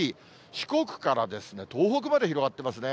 四国からですね、東北まで広がってますね。